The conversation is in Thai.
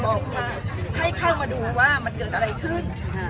บอกว่าให้เข้ามาดูว่ามันเกิดอะไรขึ้น